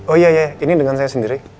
oh iya ya ini dengan saya sendiri